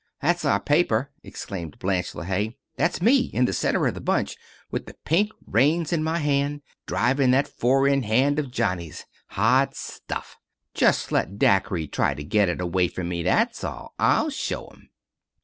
"That's our paper," explained Blanche LeHaye. "That's me, in the center of the bunch, with the pink reins in my hands, drivin' that four in hand of johnnies. Hot stuff! Just let Dacre try to get it away from me, that's all. I'll show'm."